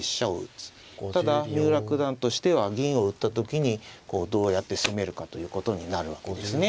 ただ三浦九段としては銀を打った時にどうやって攻めるかということになるわけですね。